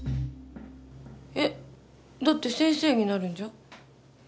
えっだって先生になるんじゃ？